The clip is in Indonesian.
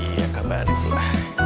iya kabarnya inma